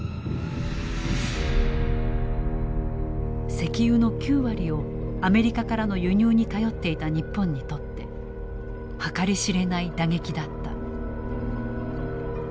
石油の９割をアメリカからの輸入に頼っていた日本にとって計り知れない打撃だった。